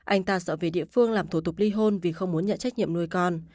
anh ta sợ về địa phương làm thủ tục ly hôn vì không muốn nhận trách nhiệm nuôi con